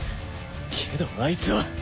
けどあいつは。